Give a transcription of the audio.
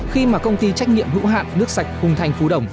khi mà công ty trách nhiệm hữu hạn nước sạch hùng thành phú đồng